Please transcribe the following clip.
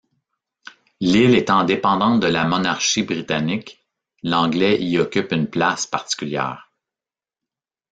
L’île étant dépendante de la monarchie britannique, l’anglais y occupe une place particulière.